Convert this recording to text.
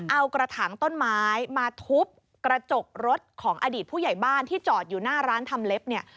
เอากระถางต้นไม้มาทุบกระจกรถของอดีตผู้ใหญ่บ้านที่จอดอยู่หน้าร้านทำเล็บเนี่ย